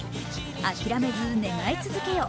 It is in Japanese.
諦めず願い続けよ